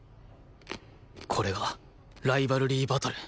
これはライバルリー・バトル